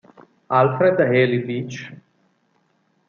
Alfred Ely Beach